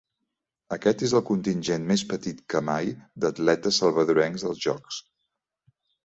Aquest és el contingent més petit que mai d'atletes salvadorencs als jocs.